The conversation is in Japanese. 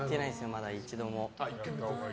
まだ一度も。